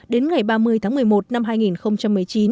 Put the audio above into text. đến ngày ba mươi tháng một mươi một năm hai nghìn một mươi chín